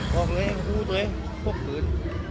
พวกนี้พวกนี้เต๋ยพวกปืน